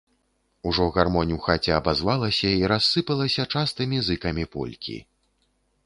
Ужо гармонь у хаце абазвалася і рассыпалася частымі зыкамі полькі.